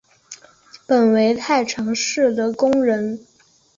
本为太常寺的工人。